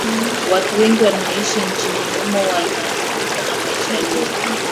Watu wengi wanaoishi nchini humo wanaridhika na maisha yaliyoko